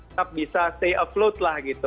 tetap bisa stay apload lah gitu